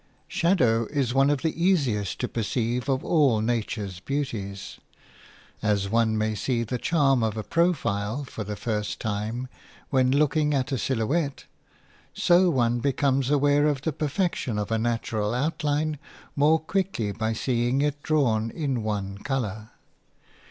SHADOW is one of the easiest to perceive of all nature's beauties. As one may see the charm of a profile for the first time when looking at a silhouette, so one becomes aware of the perfection of a natural outline more quickly by seeing it drawn in one colour.